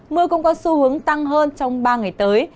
mưa cũng có xu hướng tăng hơn trong ba ngày tới